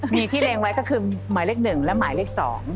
มีที่เล็งไว้ก็คือหมายเลขหนึ่งและหมายเลขสอง